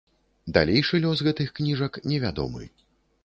Далейшы лёс гэтых кніжак невядомы.